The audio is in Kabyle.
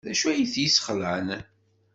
D acu ay t-yesxelɛen?